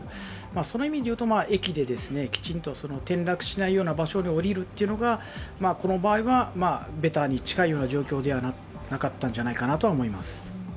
その意味でいうと、駅できちんと転落しないような場所で降りるというのがこの場合はベターに近い状況だったんじゃないかと思います。